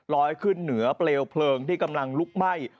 ลอยขึ้นเหนือเปลวเพลิงที่กำลังลุกไหม้